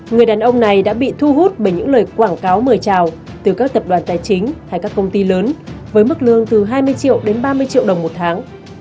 người đàn ông này đã bị thu hút bởi những lời quảng cáo mời trào từ các tập đoàn tài chính hay các công ty lớn với mức lương từ hai mươi triệu đến ba mươi triệu đồng một tháng